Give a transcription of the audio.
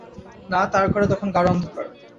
না তার ঘরে তখন গাঢ় অন্ধকার।